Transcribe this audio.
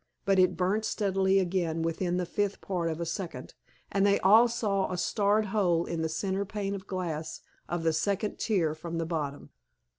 But it burnt steadily again within the fifth part of a second, and they all saw a starred hole in the center pane of glass of the second tier from the bottom.